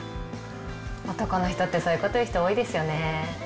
男の人ってそういうこと言う人多いですよね。